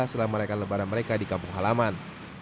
selama rekan rekan lebaran mereka di kampung halaman